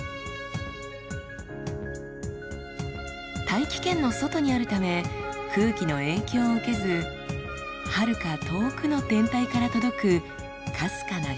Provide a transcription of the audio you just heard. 大気圏の外にあるため空気の影響を受けずはるか遠くの天体から届くかすかな光も逃しません。